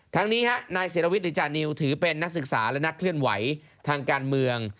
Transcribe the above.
ทั้งนี้นายศิรวิทย์หรือจานิวถือเป็นนักศึกษาและนักเคลื่อนไหวทางการเมือง